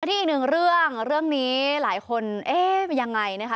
ที่อีกหนึ่งเรื่องเรื่องนี้หลายคนเอ๊ะเป็นยังไงนะคะ